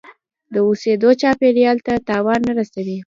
د اوسیدو چاپیریال ته تاوان نه رسوي.